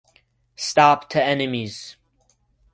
Stop to Enemies!